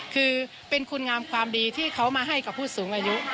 คือเป็นคุณงามความดีที่เขามาให้กับผู้สูงอายุ